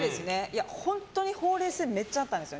本当にほうれい線めっちゃあったんですよ